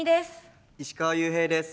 石川裕平です。